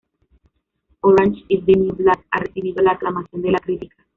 Orange Is the New Black ha recibido la aclamación de la crítica.